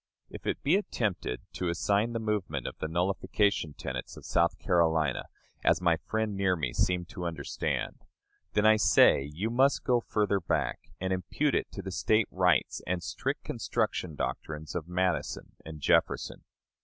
If it be attempted to assign the movement to the nullification tenets of South Carolina, as my friend near me seemed to understand, then I say you must go further back, and impute it to the State rights and strict construction doctrines of Madison and Jefferson.